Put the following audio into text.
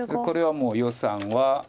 これはもう余さんは。